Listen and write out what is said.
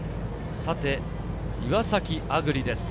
さて、岩崎亜久竜です。